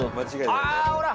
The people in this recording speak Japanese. あほら！